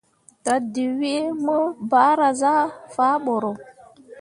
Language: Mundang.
Dadǝwee mu bahra zah faa boro.